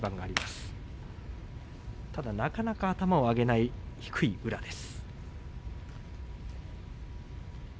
ただ、なかなか頭を上げない低い宇良です。